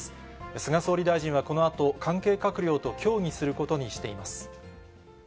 菅総理大臣はこのあと、関係閣僚と協議することにしています。